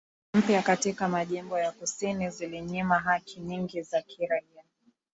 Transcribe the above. mpya katika majimbo ya kusini zilinyima haki nyingi za kiraia